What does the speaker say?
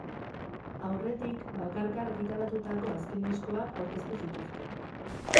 Aurretik, bakarka argitaratutako azken diskoak aurkeztu zituzten.